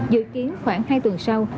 dự kiến khoảng hai tuần sau